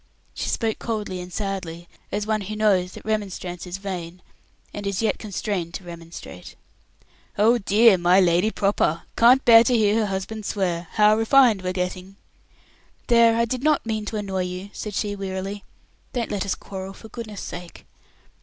She spoke coldly and sadly, as one who knows that remonstrance is vain, and is yet constrained to remonstrate. "Oh, dear! My Lady Proper! can't bear to hear her husband swear. How refined we're getting!" "There, I did not mean to annoy you," said she, wearily. "Don't let us quarrel, for goodness' sake."